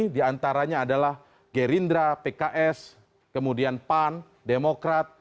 di antaranya adalah gerindra pks kemudian pan demokrat